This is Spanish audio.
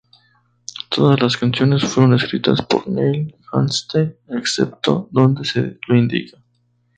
Todas las canciones fueron escritas por Neil Halstead, excepto donde se lo indica.